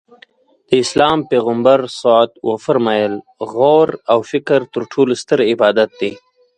د اسلام پیغمبر ص وفرمایل غور او فکر تر ټولو ستر عبادت دی.